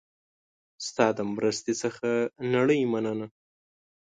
ستا د مرستې څخه نړۍ مننه